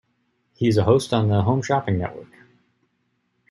He is a host on the Home Shopping Network.